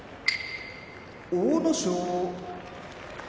阿武咲